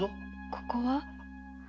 ここは？